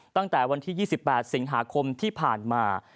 ตั้งแต่วันที่๒๘สิงหาคมที่ผ่านมา